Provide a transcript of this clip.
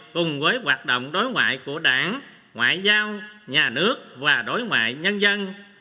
cùng với hoạt động đối ngoại của đảng ngoại giao nhà nước và đối ngoại nhân dân